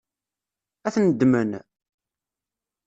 Ad ten-ddmen?